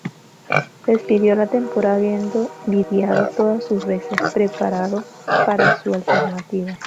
Despidió la temporada habiendo lidiado todas sus reses, preparado para su alternativa.